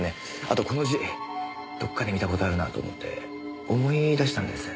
あとこの字どこかで見た事あるなと思って思い出したんです。